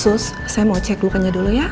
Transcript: sus saya mau cek bukannya dulu ya